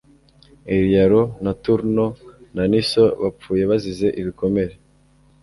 Eurialo na Turno na Niso bapfuye bazize ibikomere